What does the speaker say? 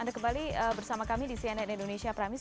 anda kembali bersama kami di cnn indonesia prime news